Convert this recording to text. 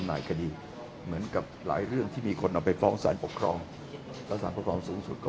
อาจารย์ค่ะแต่จริงแล้วที่พ่อพูดถึงเรื่องการเลือกตั้งสูตรคำนวณเนี่ยค่ะ